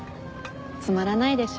つまらないでしょ？